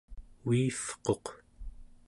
uivquq